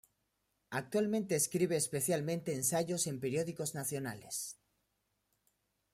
Actualmente escribe especialmente ensayos en periódicos nacionales.